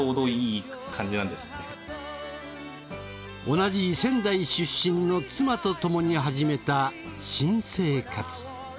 同じ仙台出身の妻とともに始めた新生活。